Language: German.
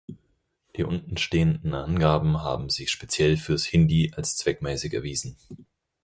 Die untenstehenden Angaben haben sich speziell fürs Hindi als zweckmäßig erwiesen.